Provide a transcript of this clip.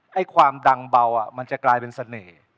ให้ความดังเบามันจะกลายเป็นเสน่ห์